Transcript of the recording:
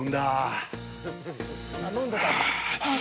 飲んでたんだ。